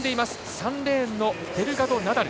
３ランナーのデルガドナダル。